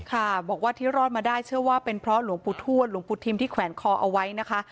ค่ะบอกว่าที่รอดมาได้เชื่อว่าเป็นเพราะหลวงปู่ทวชหลวงปู่ทิมที่แขวนคอเอาไว้นะคะ